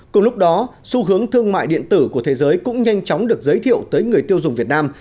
cùng lúc đó xu hướng thương mại điện tử của thế giới cũng nhanh chóng được giới thiệu tới người tiêu dùng việt nam